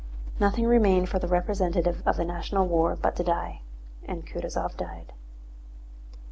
Nothing remained for the representative of the national war but to die, and Kutúzov died.